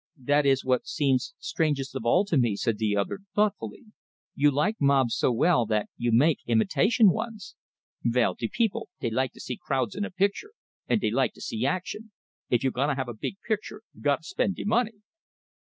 "That is what seems strangest of all to me," said the other, thoughtfully. "You like mobs so well that you make imitation ones!" "Vell, de people, dey like to see crowds in a picture, and dey like to see action. If you gonna have a big picture, you gotta spend de money."